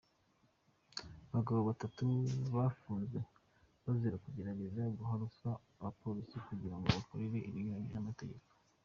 Abagabo batatu bafunzwe bazira kugerageza guha ruswa abapolisi kugira babakorere ibinyuranyije n’amategeko.